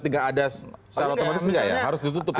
tidak ada secara otomatis harus ditutup